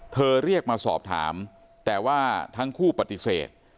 เรียกมาสอบถามแต่ว่าทั้งคู่ปฏิเสธ